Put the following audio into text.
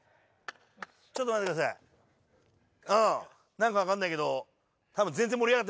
何か分かんないけどたぶん。